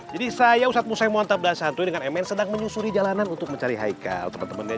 jadi saya ustadz musayang muantab dan santuy dengan emen sedang menyusuri jalanan untuk mencari haikal teman temannya